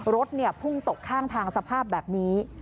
รถพุ่งตกข้างทางสภาพแบบนี้